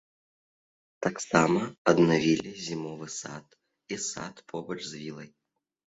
Таксама аднавілі зімовы сад і сад побач з вілай.